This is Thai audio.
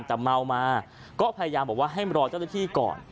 แต่เมามาก็พยายามบอกว่าให้มารอเจ้าหน้าที่ก่อน